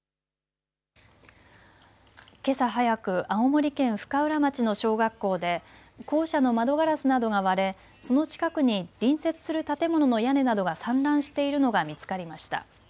けさ早く青森県深浦町の小学校で校舎の窓ガラスなどが割れその近くに隣接する建物の屋根などが散乱しているのが見つかりました。